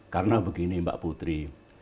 karena begini mbak putri